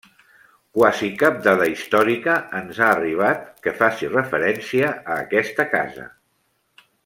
Quasi cap dada històrica ens ha arribat que faci referència a aquesta casa.